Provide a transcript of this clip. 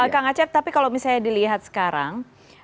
kak ngacep tapi kalau misalnya dilihat sekarang